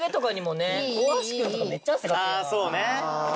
あぁそうね。